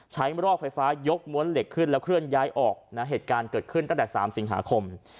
รอกไฟฟ้ายกม้วนเหล็กขึ้นแล้วเคลื่อนย้ายออกนะเหตุการณ์เกิดขึ้นตั้งแต่๓สิงหาคม